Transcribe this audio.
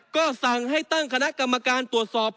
ก็สั่งให้ตั้งคณะกรรมการตรวจสอบ